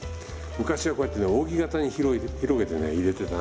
昔はこうやってね扇形に広げてね入れてた。